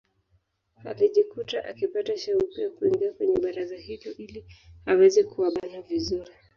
Alijikuta akipata shauku ya kuingia kwenye baraza hilo ili aweze kuwabana vizuri